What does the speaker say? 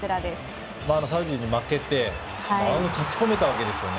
サウジに負けて暗雲立ち込めたわけですよね。